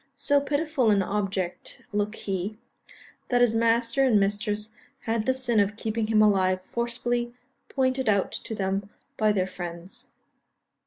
So pitiful an object looked he, that his master and mistress had the sin of keeping him alive forcibly pointed out to them by their friends.